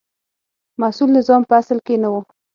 مسوول نظام په اصل کې نه و.